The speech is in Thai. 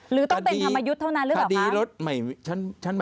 หรือต้องเป็นธรรมยุคเท่านั้นหรือเอ่อครับ